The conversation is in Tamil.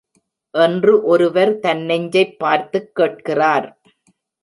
என்று ஒருவர் தன் நெஞ்சைப் பார்த்துக் கேட்கிறார்.